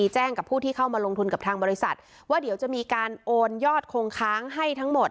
แจ้งกับผู้ที่เข้ามาลงทุนกับทางบริษัทว่าเดี๋ยวจะมีการโอนยอดคงค้างให้ทั้งหมด